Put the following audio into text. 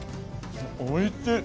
おいしい！